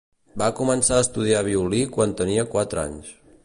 Va començar a estudiar violí quan tenia quatre anys.